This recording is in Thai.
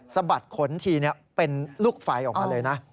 สะบัดขนทีเป็นลูกไฟออกมาเลยนะ